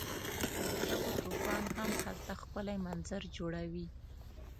د شګو طوفان هم هلته ښکلی منظر جوړوي.